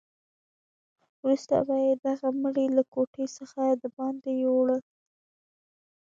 وروسته به یې دغه مړی له کوټې څخه دباندې یووړ.